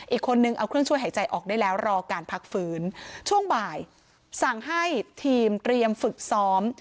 อีกคนนึงเอาเครื่องช่วยหายใจออกได้แล้วรอการพักฟื้นช่วงบ่ายสั่งให้ทีมเตรียมฝึกซ้อม